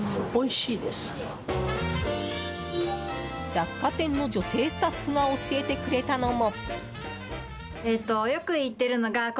雑貨店の女性スタッフが教えてくれたのも。